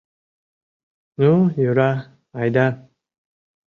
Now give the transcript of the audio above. — Ну, йӧра, айда.